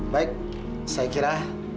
baik saya kira